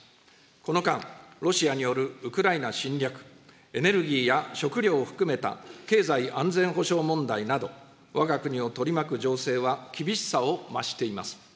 この間、ロシアによるウクライナ侵略、エネルギーや食糧を含めた経済安全保障問題など、わが国を取り巻く情勢は厳しさを増しています。